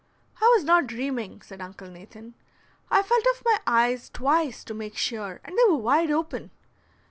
"I was not dreaming," said Uncle Nathan; "I felt of my eyes twice to make sure, and they were wide open."